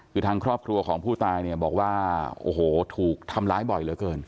คือทางครอบครัวของผู้ตายเนี่ยบอกว่าโอ้โหถูกทำร้ายบ่อยเหลือเกิน